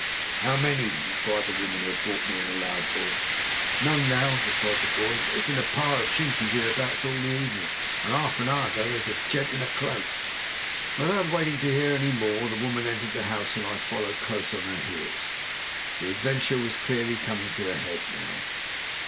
"'How many?' inquired the woman, who had brought me, in a loud whisper. "'None now,' replied the boy; 'but there's been a power of Chinkies hereabouts all the evenin', an' 'arf an hour ago there was a gent in a cloak.' "Without waiting to hear any more the woman entered the house and I followed close on her heels. The adventure was clearly coming to a head now.